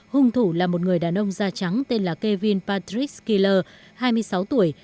hung thủ là một người đàn ông da trắng tên là kevin patrick killer hai mươi sáu tuổi